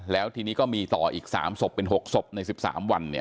แล้วทีนี้ก็มีต่ออีก๓ศพเป็น๖ศพใน๑๓วัน